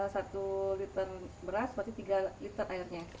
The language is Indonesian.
satu liter beras berarti tiga liter airnya